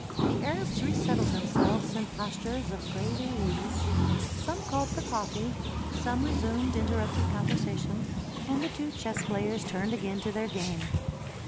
The Arabs resettled themselves in postures of greater ease; some called for coffee, some resumed interrupted conversations, and the two chess players turned again to their game.